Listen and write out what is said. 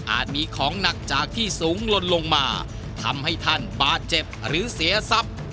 มีของหนักจากที่สูงลนลงมาทำให้ท่านบาดเจ็บหรือเสียทรัพย์